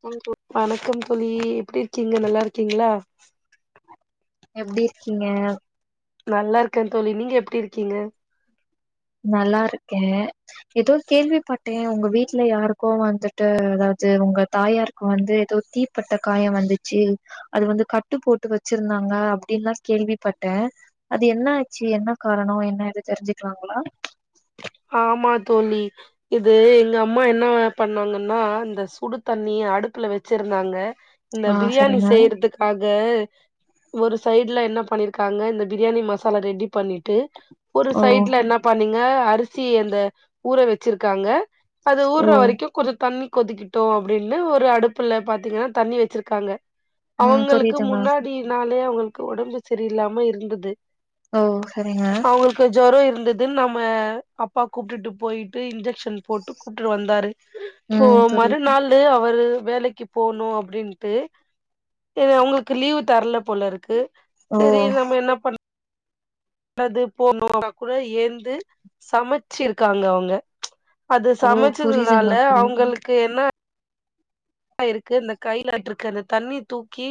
கோயமுத்தூர் வணக்கம் தோழி எப்டி இருக்கீங்க நல்லா இருக்கீங்களா எப்டி இருக்கீங்க நல்லா இருக்கே தோழி நீங்க எப்டி இருக்கீங்க நல்லா இருக்கே எதோ கேள்விப்பட்டே உங்க வீட்ல யாருக்கோ வந்துட்டு அதாவது உங்க தாயார் க்கு வந்து எதோ தீப்பட்ட காயோ வந்துச்சு அது வந்து கட்டு போட்டு வச்சிருந்தாங்க அப்டின்ல்லா கேள்விப்பட்டே அது என்ன ஆச்சு என்ன காரணோ என்ன ஏது தெரிஞ்சுக்கலாங்களா ஆமா தோழி இது எங்க அம்மா என்ன பண்ணாங்கன்னா இந்த சுடு தண்ணி அடுப்புல வெச்சிருந்தாங்க இந்த ஆ பிரியாணி சரிங்க செய்றதுக் காக ஒரு சைட்ல என்ன பண்ணிருக்காங்க இந்த பிரியாணி மசாலா ரெடி பண்ணிட் டு ஒரு ஓ சைட்ல என்ன பண்ணீங்க அரிசி அந்த ஊற வெச்சிருக்காங்க அது ஓ ஊர்ற வரைக்கு கொஞ்ச தண்ணி கொதிக்கட்டு அப்டின்னு ஒரு அடுப்புல பாத்தீங்கனா தண்ணி வச்சிருக்காங்க ம் அவங்களுக்கு புரியுதுங்க முன்னாடி நாளே அவுங்களுக்கு ஓடம்பு சரியில்லாம இருந்தது ஓ செரிங்க இப்ப ஜொரோ இருந்ததுன் நம்ம அப்பா கூப்ட்டுட்டு போய்ட்டு இன்ஜெக்ஷன் போட்டு கூப்ட்டுட்டு வந்தாரு இப்போ ம் புரியுது மறுநாள் லே அவரு வேலைக்கு போனு அப்டின்ட்டு அவங்களுக்கு லீவு தரல போல இருக்கு ஓ செரி நம்ம என்ன பண் னது போனா கூட ஏந்து சமச்சிருக்காங்க அவுங்க அது ஓ சமச்சதுனால புரியுதுங்க புரியுது அவுங்களுக்கு என்ன இருக்கு இந்த கையில பட்டுருக்கு அந்த தண்ணி தூக்கி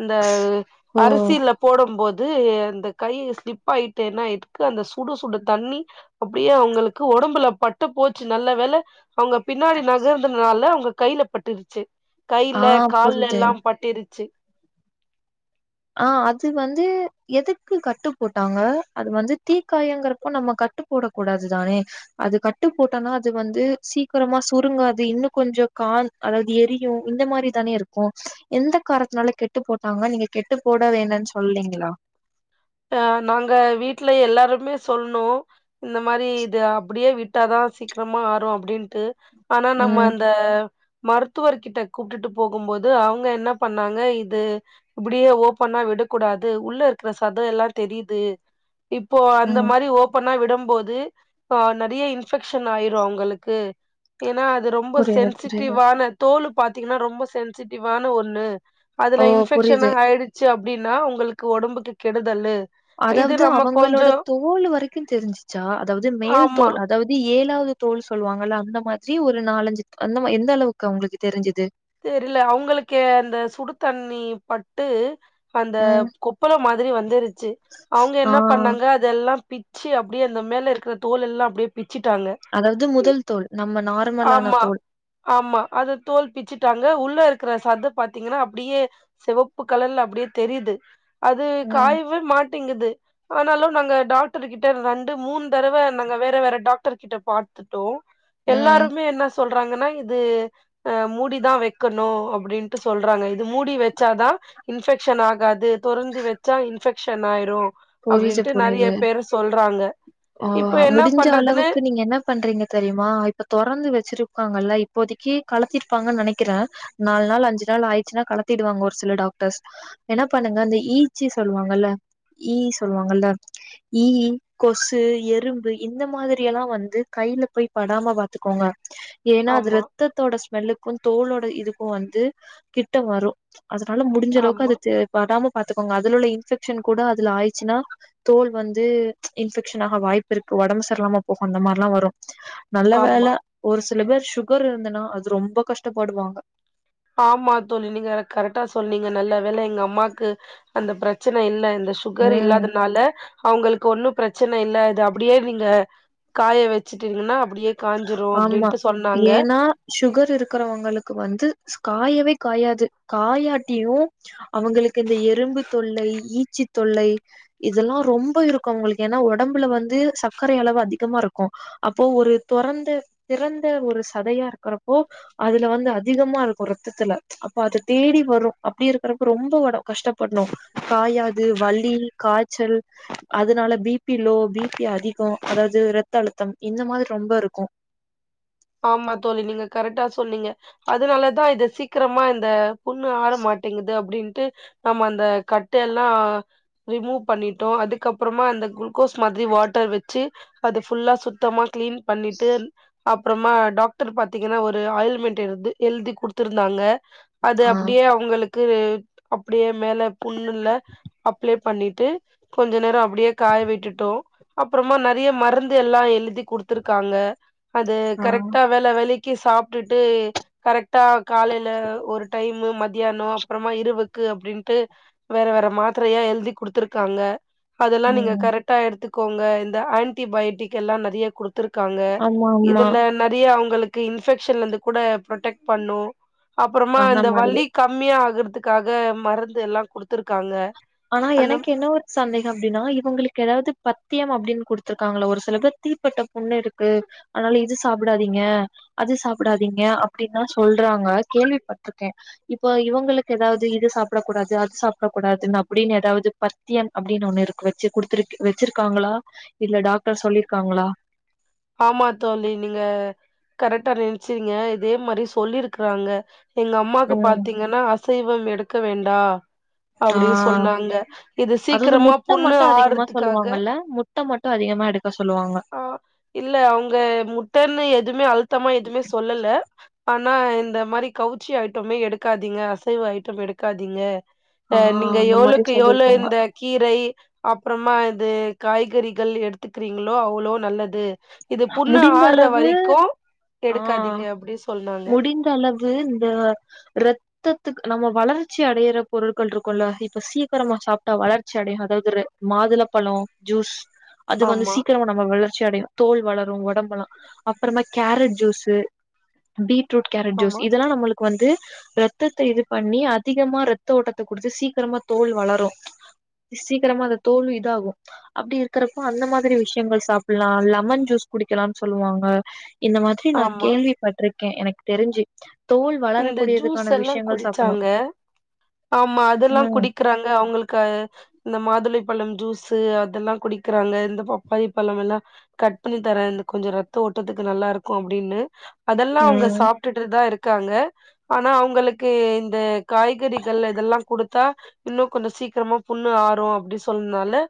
இந்த ஓ அரிசில போடம் போது அந்த கை ஸ்லிப் ஆயிட்டு என்னாயிர்க்கு அந்த சுடு சுடு தண்ணி அப்டியே அவுங்களுக்கு ஒடம்புல பட்டு போச்சி நல்ல வேல அவுங்க பின்னாடி நகர்ந்தனால அவுங்க கையில பட்டுருச்சி ஆ கைல புரியுது கால்ல எல்லா பட் டிரிச்சி ஆ அது வந்து எதுக்கு கட்டு போட்டாங்க அது வந்து தீக்காயங்கறப்போ நம்ம கட்டு போட கூடாது தானே அது கட்டு போட்டனா அது வந்து சீக்கிரமா சுருங்காது இன்னு கொஞ்சோ கா அதாவது எரியு இந்த மாரி தானே இருக்கு எந்த காரத்னால கெட்டு போட்டாங்க நீங்க கெட்டு போட வேணான் சொல்லீங்களா அ நாங்க வீட்ல எல்லாருமே சொன்னோ இந்த மாரி இது அப்டியே விட் டாதா சீக்ரமா ஆறு அப்டின்ட்டு ஆனா நம்ம ம், அந்த மருத்துவர் கிட்ட கூப்ட்டுட்டு போகும் போது அவுங்க என்ன பண்ணாங்க இது இப்டியே ஓபனா விடக்கூடாது உள்ள இருக்கற சத எல்லா தெரியிது இப்போ அந்த ம். மாரி ஓப் பன்னா விடம்போது அ நெறைய இன்ஃபெக்க்ஷன் ஆயிரு அவுங்களுக்கு ஏனா அது ரொம்ப புரியுது, புரியுது. சென்சிட்டிவான தோலு பாத்தீங்கனா ரொம்ப சென்சிட்டிவான ஒண்ணு ஓ! அதுல இன்ஃபெக்க்ஷனு புரியுது. ஆயிடுச்சி அப்டின்னா உங்களுக்கு ஒடம்புக்கு கெடுதல்லு அதாவது அவங்களோட தோலு வரைக்கு தெரிஞ்சிச்சா அதாவது மேல் ஆமா. தோல் அ தாவது ஏழாவது தோல் சொல்வாங்கல்ல அந்த மாதிரி ஒரு நாலஞ்சி அந்த மா எந்த அளவுக்கு அவுங்களுக்கு தெரிஞ்சது தெரில அவுங்களுக்கு அந்த சுடு தண்ணி பட்டு அந்த ம். கொப்பள மாதிரி வந்துருச்சி அவுங்க என்ன ஆ. பண்ணாங்க இதெல்லா பிச்சி அப்டியே அந்த மேல இருக்கிற தோல் எல்லா அப்டியே பிச்சிட்டாங்க அதாவது முதல் தோல் நம்ம நார்மலான ஆமா, தோல் ஆமா அது தோல் பிச்சி டாங்க உள்ள இருக்கற சத பாத்தீங்கனா அப்டியே செவப்பு கலர்ல அப்டியே தெரியுது அது ம். காய்வே மாட்டிங்கிது ஆனாலு நாங்க டாக்டர் கிட்ட ரெண்டு மூண் தடவ நாங்க வேற வேற டாக்டர் கிட்ட பாத் துட்டோ ம். எல்லாருமே என்ன சொல்றாங்கனா இது அ மூடி தா வெக்கணு அப்டின்ட்டு சொல்றாங்க இது மூடி வெச்சாதா இன்ஃபெக்க்ஷன் ஆகாது தொரந்து வெச்சா இன்ஃபெக்ஷன் ஆயிரு புரியுது, அப்டின்ட்டு நெறைய புரியுது. பேரு சொல்றாங்க ஆ இப்ப என்ன முடிஞ்ச பண்றதுன்னு அளவுக்கு நீங்க என்ன பண்றீங்க தெரியுமா இப்ப தொறந்து வச்சிருக்காங்கல்ல இப்போதைக்கி கலத்திருப்பாங்கன் நெனைக்கிற நாலு நாள் அஞ்சு நாள் ஆயிர்ச்னா கழத்திடுவாங்கோ ஒரு சில டாக்டர்ஸ் என்ன பண்ணுங்க அந்த ஈச்சி சொல்வாங்கல்ல ஈ சொல்வாங்கல்ல ஈ கொசு எறும்பு இந்த மாதிரியல்லா வந்து கைல போயி படாம பாத்துக்கோங்க ஏனா அது ஆமா ரத்தத்தோட ஸ்மெல்லுக்கு தோலோட இதுக்கு வந்து கிட்ட வரு அதனால முடிஞ்சளவுக்கு ஆமா அதுச்சே படாம பாத்துக்கோங்க அதுல உள்ள இன்ஃபெக்ஷன் கூட அதுல ஆயிச்சுன்னா தோல் வந்து இன்ஃபெக்ஷன் ஆக வாய்ப்பு இருக்கு ஒடம்பு சர்ல்லாம போகு அந்த மார்லா வரு நல்ல ஆமா வேல ஒரு சில பேர் சுகர் இருந்தன்னா அது ரொம்ப கஷ்டப்படுவாங்க ஆமா தோழி நீங்க கரெக்டா சொன்னிங்க நல்ல வேல எங்கம்மாக்கு அந்த பிரச்சன இல்ல இந்த சுகர் ம் இல்லாதனால அவுங்களுக்கு ஒன்னு பிரச்சன இல்ல இது அப்டியே நீங்க காய வச்சுட்டீங்கன்னா அப்டியே காஞ்சுரு ஆமா அப்டின்ட்டு சொன்னாங்க ஏன்னா சுகர் இருக்றவங்களுக்கு வந்து காயவே காயாது காயாட்டியு அவுங்களுக்கு இந்த எறும்பு தொல்லை ஈச்சி தொல்லை இதெல்லா ரொம்ப இருக்கு அவுங்களுக்கு ஏனா ஒடம்புல வந்து சர்க்கரை அளவு அதிகமாருக்கு அப்போ ஒரு தொறந்த திறந்த ஒரு சதயா இருக்றப்போ அதுல வந்து அதிகமாருக்கு ரத்தத்துல அப்ப அது தேடி வரு அப்டி இருக்றப்ப ரொம்ப ஒட கஷ்டப்பட்ணு காயாது வலி காய்ச்சல் அதனால பிபி லோ பிபி அதிகோ அதாது ரத்த அழுத்தம் இந்த மாரி ரொம்பருக்கு ஆமா தோழி நீங்க கரெக்டா சொன்னீங்க அதுனாலதா இத சீக்கிரமா இந்த புண்ணு ஆற மாட்டேங்கிது அப்டின்ட்டு நம்ம அந்த கட்டெல்லா ரிமூவ் பண்ணிட்டோ அதுக்கப்றமா இந்த குளுகோஸ் மாதிரி வாட்டர் வச்சு அது ஃபுல்லா சுத்தமா க்ளீன் பண்ணிட்டு அப்றமா டாக்டர் பாத்தீங்கன்னா ஒரு ஆயில்மென்ட் எழ்து எழ்தி குடுத்திருந்தாங்க அது ஆ அப்டியே அவுங்களுக்கு அப்டியே மேல புண்ணுல்ல அப்ளை பண்ணிட்டு கொஞ்சோ நேரோ அப்டியே காய விட்டுட்டோ அப்றமா நறைய மருந்து எல்லா எழுதி குடுத்துருக்காங்க அது ஆ கரெக்டா வேள வேளைக்கு சாப்ட்டுட்டு கரெக் ட்டா காலைல ஒரு டைமு மதியானோ அப்றமா இரவுக்கு அப்டின்ட்டு வேற வேற மாத்ரையா எழுதி குடுத்துருக்காங்க அதெல்லா நீங்க ம் கரெக்டா எடுத்துக்கோங்க இந்த ஆன்டிபயோட்டிக் எல்லா நறைய குடுத்துருக்காங்க ஆமா ஆமா இதுல நறைய அவுங்களுக்கு இன்ஃபெக்ஷன்லந்து கூட ப்ரொடெக்ட் பண்ணு அப்றமா அந்த இந்த மாதிரி வலி கம்மியாகுறதுக்காக மருந்து எல்லா குடுத்துருக்காங்க ஆனா அந்த எனக்கு என்ன ஒரு சந்தேகம் அப்டின்னா இவுங்களுக்கு எதாவ்து பத்தியம் அப்டின்னு குடுத்துருக்காங்களா ஒரு சில பேர் தீப்பட்ட புண்ணுருக்கு அதுனால இது சாப்டாதீங்க அது சாப்டாதீங்க அப்டின்னா சொல்றாங்க கேள்விப்பட்ருக்கே இப்ப இவங்களுக்கு எதாவ்து இது சாப்டக் கூடாது அது சாப்டக் கூடாதுன்னா அப்டின் எதாவ்து பத்தியம் அப்டின்னு ஒண்ணு இருக்கு வச்சு குடுத்துரு வச்சிருக்காங்ளா இல்ல டாக்டர் சொல்லிருக்காங்ளா ஆமா தோழி நீங்க கரெக்டா நென்ச்சீங்க இதே மாரி சொல்லிருக்கறாங்க எங்கம்மாக்கு ம் பாத்தீங்கன்னா அசைவம் எடுக்க வேண்டா ஆ அப்டின் சொன்னாங்க இது அது வந்து சீக்ரமா முட்ட புண்ணு மட்டு அதிகமா ஆறதுக்காக சொல்லுவாங்கல்ல முட்ட மட்டு அதிகமா எடுக்க சொல்லுவாங்க ஆ இல்ல அவுங்க முட்டன்னு எதுமே அழுத்தமா எதுமே சொல்லல ஆனா இந்த மாரி கவுச்சி ஐட்டமே எடுக்காதீங்க அசைவ ஐட்டம் எடுக்காதீங்க ஆ அ நீங்க அந்த மாரி எவ்ளோக்கு எவ்ளோ சொல்லிருக்காங்க இந்த கீரை அப்புறமா இது காய்கறிகள் எடுத்துக்குறீங்களோ அவ்ளோ நல்லது இது புண்ணு முடிந்த ஆற்ற அளவு வரிக்கு ஆ எடுக்காதீங்க அப்டி சொன்னாங்க து இந்த ரத் தத்துக் நம்ம வளர்ச்சி அடையற பொருட்கள் இருக்குல இப்ப சீக்கிரமா சாப்ட்டா வளர்ச்சி அடைவாங்கங்குற மாதுளப்பழோ ஜூஸ் அது வந்து ஆமா சீக்கிரமா நம்ம வளர்ச்சி அடையு தோள் வளரு ஒடம்பெலா அப்புறமா carrot juice beetroot carrot juice ஆமா இதெல்லா நம்மளுக்கு வந்து ரத்தத்த இது பண்ணி அதிகமா ரத்த ஓட்டத்த குடுத்து சீக்கிரமா தோல் வளரு சீக்கிரமா அது தோலு இதாகு அப்டி இருக்கிறப்போ அந்த மாதிரி விஷயங்கள் சாப்பிட்லா எல்லா லெமன் ஜூஸ் குடிக்கலானு சொல்லுவாங்க இந்த மாதிரி நா ஆமா கேள்விப்பட்ருக்கே எனக்கு தெரிஞ்சு தோல் இந்த ஜூஸ் வளரக்கூடியதுக்கான எல்லா விஷயங்கள் சாப்பிட்ணு குடிச்சாங்க ஆமா அதெல்லா ம் குடிக் குறாங்க அவங்களுக்கு இந்த மாதுளைப்பழ ஜூஸு அதெல்லா குடிக்கிறாங்க இந்த பப்பாளி பழமெல்லா கட் பண்ணி தரே இந்த கொஞ்ச ரத்த ஓட்டதுக்கு நல்லா இருக்கு அப்டின்னு அதெல்லா அவங்க ம் சாப்ட்டுட்டுதா இருக்காங்க ஆனா அவங்களுக்கு இந்த காய்கறிகள் இதெல்லா கொடுத்தா இன்னு கொஞ்சொ சீக்கிரமா புண்ணு ஆறு அப்டி சொன்னனால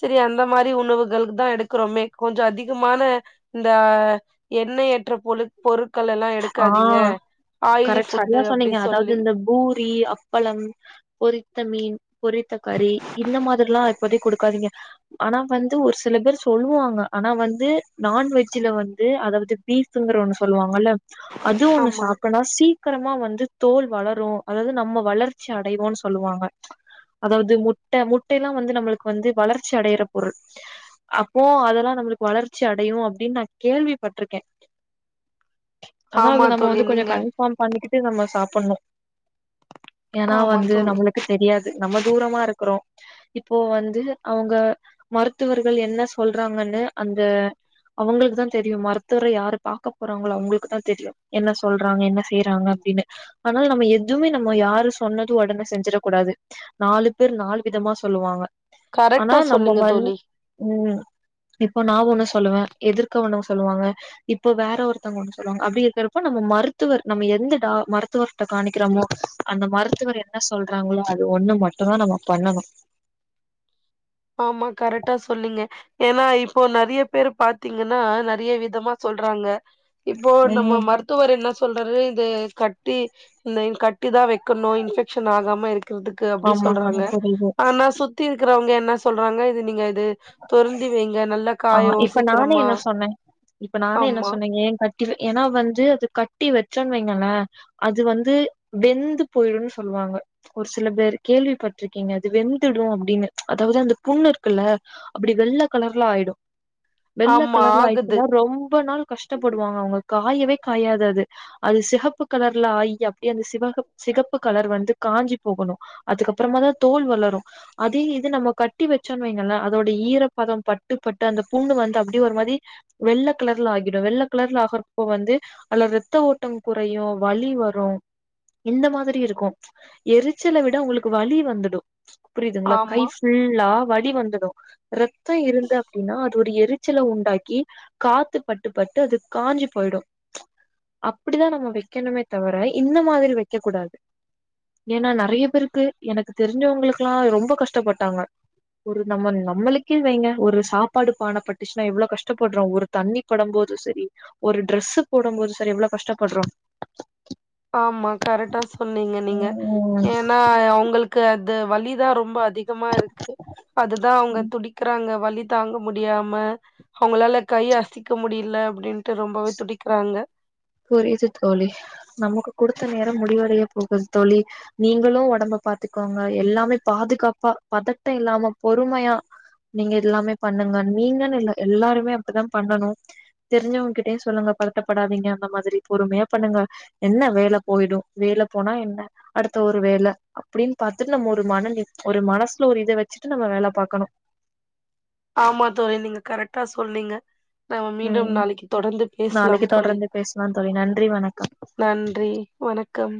சரி அந்த மாரி உணவுகளுக்கு தா எடுக்கறோமே கொஞ்ச அதிகமான இந்த எண்ணெய் அற்ற பொழு பொருட்கள் எல்லா ஆ எடுக்காதீங்க ஆயிலி கரெக்ட் ஃபுட்டு சரியா அப்டி சொன்னீங்க சொல்லி அதாவ்து இந்த பூரி அப்பளம் பொரித்த மீன் பொரித்தக்கறி இந்த மாதிரில்லா இப்போதைக்கு கொடுக்காதீங்க ஆனா வந்து ஒரு சில பேர் சொல்லுவாங்க ஆனா வந்து நான்வெஜ்ஜுல வந்து அதாவது பீஃபுங்கிற ஒண்ணு சொல்லுவாங்கல்ல அது ஒண்ணு ஆமா சாப்டனா சீக்கிரமா வந்து தோல் வளரு அதாவது நம்ம வளர்ச்சி அடைவோன்னு சொல்லுவாங்க அதாவது முட்ட முட்டைஎயல்லா வந்து நம்மளுக்கு வந்து வளர்ச்சி அடையற பொருள் அப்போ அதெல்லா நம்மளுக்கு வளர்ச்சி அடையு அப்டின்னு நா கேள்விப்பட்ருக்கே ஆனா அது ஆமா நம்ம தோழி வந்து கொஞ்ச நீங்க கன் ஃபார்ம் பண்ணிக்கிட்டு நம்ம சாப்புட்ணு ஏன்னா ஆமா வந்து தோழி நம்மளுக்கு தெரியாது நம்ம தூரமா இருக்குறோ இப்போ வந்து அவங்க மருத்துவர்கள் என்ன சொல்றாங்கன்னு அந்த அவங்களுக்கு தா தெரியுமக்ஷ மருத்துவர யாரு பாக்க போறாங்களோ அவங்களுக் குதா தெரியு என்ன சொல்றாங்க என்ன செய்யறாங்க அப்டின்னு ஆனால் நம்ம எதுவுமே நம்ம யாரு சொன்னது உடனே செஞ்சிடக் கூடாது நாலு பேர் நாலு விதமா சொல்லுவாங்க ஆனா கரெக்டா நம்ம சொன்னீங்க வந் தோழி ம் இப்ப நா ஒண்ணு சொல்லுவே எதிர்க்க ஒண்ணு சொல்லுவாங்க இப்ப வேற ஒருத்தங்க ஒண்ணு சொல்வாங்க அப்டி இருக்குறப்போ நம்ம மருத்துவர் நம்ம எந்த டா மருத்துவர்ட்ட காமிக்கிறோமோ அந்த மருத்துவர் என் ன சொல்றாங்களோ அது ஒண்ணு மட்டுதா நம்ம பண்ணணு ஆமா கரெக்டா சொன்னிங்க ஏன்னா இப்போ நறைய பேரு பாத்தீங்கன்னா நறைய விதமா சொல்றாங்க இப்போ நம்ம ம் மரு த்துவர் என்ன சொல்றாரு இத கட்டி இந்த கட்டி தா வைக்கணு இன்ஃபெக்ஷன் ஆகாம இருக் குறதுக்கு அப்டி சொல்றாங்க ஆமாங்க புரியுது ஆனா சுத்தி இருக்கறவங்க என்ன சொல்றாங்க இது நீங்க இது தொரறந்தி வைங்க நல்ல ஆ காயோ இப்ப நானே சீக்கிறமா ஆமா ஏ க ஏன்னா வந்து அது கட்டி வச்சோன்னு வைங்களே அது வந்து வெந்து போயிடுன்னு சொல்லுவாங்க ஒரு சில பேர் கேள்விப்பட்டிருக்கீங்க அது வெந்துடு அப்படின்னு அதாவது அந்த புண்ணு இருக்குல்ல அப்டி வெள்ள கலர்லா ஆயிடு வெள்ள ஆமா கலர்லா ஆகுது ஆயிச்சன்னா ரொம்ப நாள் கஷ்டப்படுவாங்க அவுங்க காயவே காயாது அது அது சிகப்பு கலர்ல ஆயி அப்படியே அந்த சிகப்பு கலர் வந்து காஞ்சி போகணு அதுக்கப்புறமா தா தோல் வளரு அதே இது நம்ம கட்டி வச்சோம்ணு வைங்கலே அதோட ஈரப்பதோ பட்டு பட்டு அந்த புண்ணு வந்து அப்படியே ஒரு மாரி வெள்ள கலர்ல ஆகிடு வெள்ளை கலர்ல ஆகறப்போ வந்து அதுல இரத்த ஓட்டோ குறையு வலி வரும் இந்த மாதிரி இருக்கு எரிச்சல விட உங்களுக்கு வலி வந்துடு புரியுதுங்களா கை ஆமா ஃபுல்லா வலி வந்துடு ரத்தம் இருந்த அப்படின்னா அ ஒரு எரிச்சல உண்டாக்கி காத்து பட்டு பட்டு அது காய்ஞ்சு போயிடு அப்படிதா நம்ம வெக்கணுமே தவிர இந்த மாதிரி வைக்க கூடாது ஏன்னா நைறைய பேருக்கு எனக்கு தெரிஞ்சவங்கக்கெல்லா ரொம்ப கஷ்டப்பட்டாங்க ஒரு லெமன்ல நம்மளுக்கே வைங்க ஒரு சாப்பாடு பானைப்பட்டுச்சுன்னா எவ்வளோ கஷ்டப்படுறோ ஒரு தண்ணி படும் போது சரி ஒரு டிரரெஸ்போடு போது சார் எவ்வளவு கஷ்டப்படுறோ ஆமா கரெக்டா சொன்னீங்க நீங்க ஏன்னா அவங்களுக்கு அது வலிதா ரொம்ப அதிகமா இருக்கு அதுதா அவுங்க துடிக்கிறாங்க வலி தாங்க முடியாம அவுங்களால கை அசக்க முடியல அப்படின்ட்டு ரொம்பவே துடிக்கிறாங்க புரியுது தோழி நமக்கு குடுத்த நேரோ முடிவடைய போது தோழி நீங்களு உடம்ப பாத்துக்கோங்க எல்லாமே பாதுகாப்பா பதட்டோ இல்லாம பொறுமையா நீங்க எல்லாமே பண்ணுங்க நீங்கனுல்ல எல்லாருமே அப்படித்தா பண்ணனு தெரிஞ்சவங்ககிட்டயு சொல்லுங்க பதட்ட படாதீங்க அந்த மாதிரி பொறுமையா பண்ணுங்க என்ன வேல போயிடு வேல போன என்ன அடுத்த ஒரு வேலை அப்படின்னு பாத்துட்டு நம்ம ஒரு மன ஒரு மனசுல ஒரு இத வச்சுட்டு நம்ம வேல பாகக்கணு ஆமா தோழி நீங்க கரெக்டா சொன்னிங்க நாம மீண்டு ம் நாளைக்கு தொடர்ந்து பேசலாம் நாளைக்கு தோழி தொடர்ந்து பேசலா தோழி நன்றி வணக்கம் நன்றி வணக்கம்